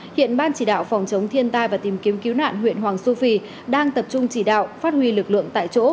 hiện ban chỉ đạo phòng chống thiên tai và tìm kiếm cứu nạn huyện hoàng su phi đang tập trung chỉ đạo phát huy lực lượng tại chỗ